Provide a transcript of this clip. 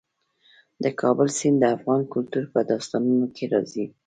د کابل سیند د افغان کلتور په داستانونو کې راځي.